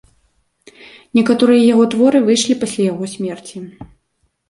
Некаторыя яго творы выйшлі пасля яго смерці.